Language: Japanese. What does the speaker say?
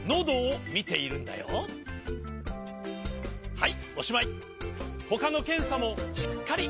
はいおしまい。